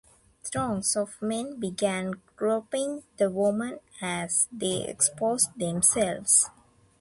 Throngs of men began groping the women as they exposed themselves.